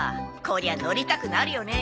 こりゃ乗りたくなるよね。